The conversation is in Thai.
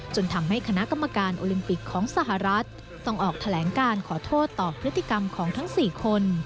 จนทำให้คณะกรรมการโอลิมปิกของสหรัฐต้องออกแถลงการขอโทษต่อพฤติกรรมของทั้ง๔คน